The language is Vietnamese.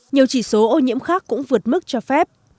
nhiều chỉ số ô nhiễm khác cũng vượt mức cho phép